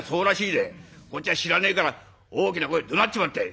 こっちは知らねえから大きな声でどなっちまったい！